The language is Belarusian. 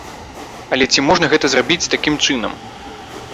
Але ці можна гэта зрабіць такім чынам?